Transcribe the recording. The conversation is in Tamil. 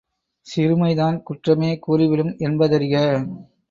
சிறுமைதான் குற்றமே கூறிவிடும் என்பதறிக!